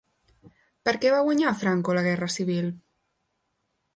Per què va guanyar Franco la Guerra Civil?